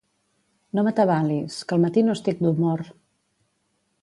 No m'atabalis, que al matí no estic d'humor.